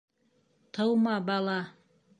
Тыума бала!